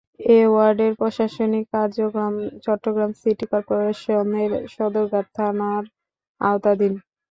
এ ওয়ার্ডের প্রশাসনিক কার্যক্রম চট্টগ্রাম সিটি কর্পোরেশনের সদরঘাট থানার আওতাধীন।